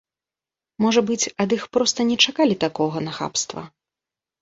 Можа быць, ад іх проста не чакалі такога нахабства?